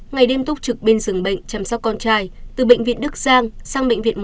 ngày đêm túc trực bên sừng bệnh chăm sóc con trai từ bệnh viện đức giang sang bệnh viện một trăm linh tám